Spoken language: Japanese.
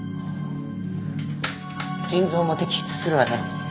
腎臓も摘出するわね。